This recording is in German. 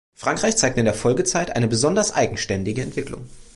Frankreich zeigte in der Folgezeit eine besonders eigenständige Entwicklung.